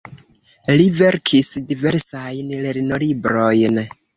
Li verkis diversajn lernolibrojn.